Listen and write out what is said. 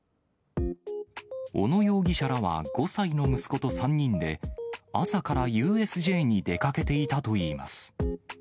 小野容疑者らは５歳の息子と３人で、朝からＵＳＪに出かけていたといいます。